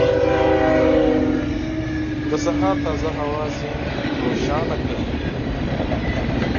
• د سهار تازه هوا ذهن روښانه کوي.